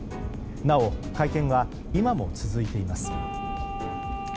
なお、会見は今も続いています。